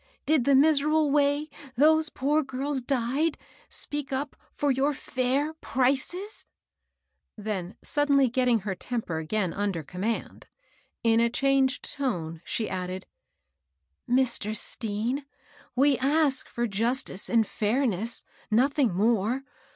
— did the miserable way those poor girls died speak up for your fair prices f " Then sud denly getting her temper again under command, in a changed tone she added, " Mr. Stean, we ask for justice and fairness — nothing more.